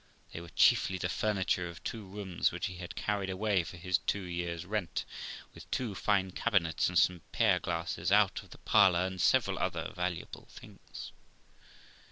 They were chiefly the furniture of two rooms which he had carried away for his two years' rent, with two fine cabinets, and some pier glasses out of the parlour, and several other valuable things.